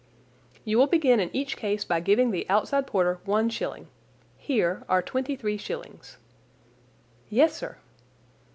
"You will begin in each case by giving the outside porter one shilling. Here are twenty three shillings." "Yes, sir."